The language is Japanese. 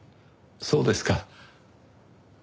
そうですか。